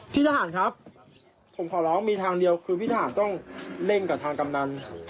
พี่ทหารครับผมขอร้องมีทางเดียวคือพี่ทหารต้องเร่งกับทางกำนัน